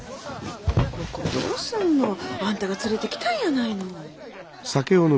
ここどうすんの？あんたが連れてきたんやないの。